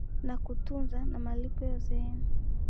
na kutunza na malipo ya uzeeni